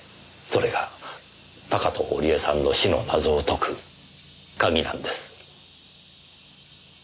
それが高塔織絵さんの死の謎を解く鍵なんです。